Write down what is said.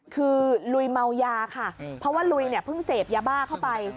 คือลุยเมายาค่ะเพราะว่าลุยเนี่ยเพิ่งเสพยาบ้าเข้าไป